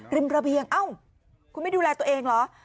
ระเบียงเอ้าคุณไม่ดูแลตัวเองเหรอ